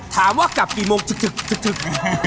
ถามว่ากลับกี่โมงจะกึก